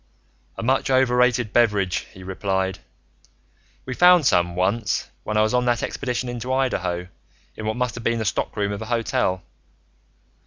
"A much overrated beverage," he replied. "We found some, once, when I was on that expedition into Idaho, in what must have been the stockroom of a hotel.